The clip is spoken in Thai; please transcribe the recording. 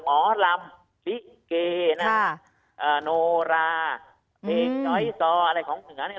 หมอลำฟิกเกณฑ์โนราเมคน้อยซออะไรของเหนือ